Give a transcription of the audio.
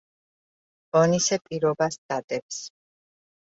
ონისე პირობას დადებს.